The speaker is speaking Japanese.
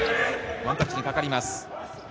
ワンタッチにかかります。